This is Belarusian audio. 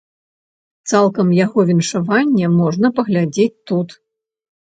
Цалкам яго віншаванне можна паглядзець тут.